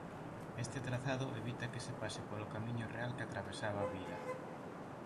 Este trazado evita que se pase polo camiño real que atravesaba a vila.